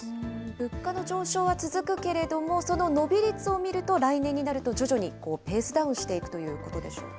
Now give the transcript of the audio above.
物価の上昇は続くけれども、その伸び率を見ると、来年になると徐々にペースダウンしていくということでしょうか？